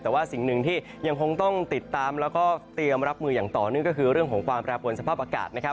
แต่ว่าสิ่งหนึ่งที่ยังคงต้องติดตามแล้วก็เตรียมรับมืออย่างต่อเนื่องก็คือเรื่องของความแปรปวนสภาพอากาศนะครับ